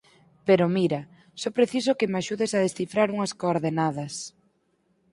Pero mira, só preciso que me axudes a descifrar unhas coordenadas.